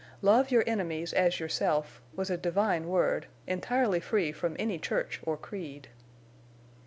"Love your enemies as yourself!" was a divine word, entirely free from any church or creed.